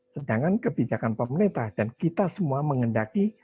sedangkan kebijakan pemerintah dan kita semua menghendaki